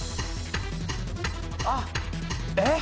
あっえっ